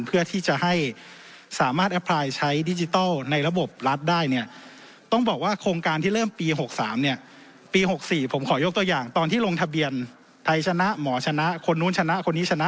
ผมขอยกตัวอย่างตอนที่ลงทะเบียนไทยชนะหมอชนะคนนู้นชนะคนนี้ชนะ